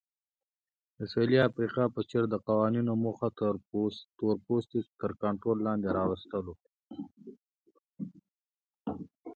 د سویلي افریقا په څېر د قوانینو موخه تورپوستي تر کنټرول لاندې راوستل وو.